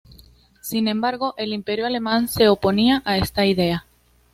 Sin embargo, el Imperio Alemán se oponía a esta idea.